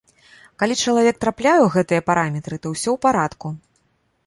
Калі чалавек трапляе ў гэтыя параметры, то ўсё ў парадку.